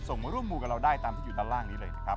มาร่วมมูลกับเราได้ตามที่อยู่ด้านล่างนี้เลยนะครับ